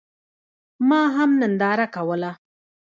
ما هم ننداره کوله.